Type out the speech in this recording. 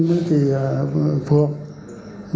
với chị phượng